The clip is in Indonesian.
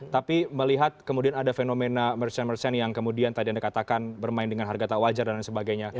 tapi melihat kemudian ada fenomena merchant merchant yang kemudian tadi anda katakan bermain dengan harga tak wajar dan sebagainya